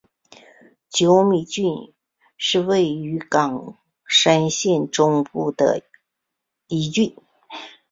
久米郡是位于冈山县中部的一郡。